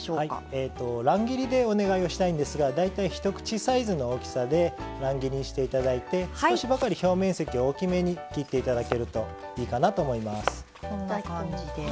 乱切りでお願いをしたいんですが大体一口サイズの大きさで乱切りにして頂いて少しばかり表面積を大きめに切って頂けるといいかなと思います。